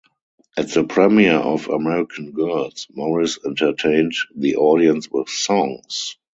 At the premiere of "American Girls" Morris entertained the audience with songs.